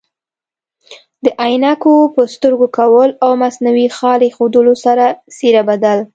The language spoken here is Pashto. د عینکو په سترګو کول او مصنوعي خال ایښودلو سره څیره بدل